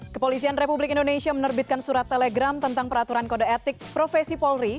kepolisian republik indonesia menerbitkan surat telegram tentang peraturan kode etik profesi polri